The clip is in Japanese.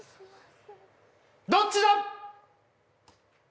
どっちだ！？